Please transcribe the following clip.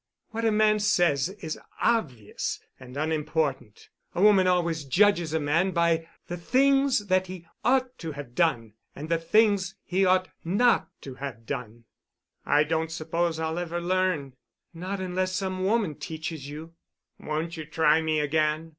What a man says is obvious and unimportant. A woman always judges a man by the things that he ought to have done—and the things he ought not to have done." "I don't suppose I'll ever learn——" "Not unless some woman teaches you." "Won't you try me again?"